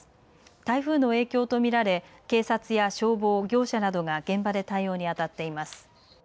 台風の影響と見られ警察や消防、業者などが現場で対応にあたっています。